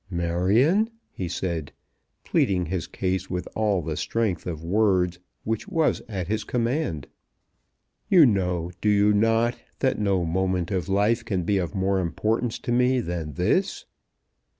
"Marion," he said, pleading his case with all the strength of words which was at his command, "you know, do you not, that no moment of life can be of more importance to me than this?"